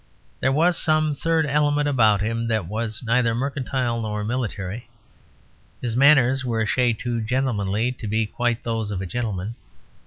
There was some third element about him that was neither mercantile nor military. His manners were a shade too gentlemanly to be quite those of a gentleman.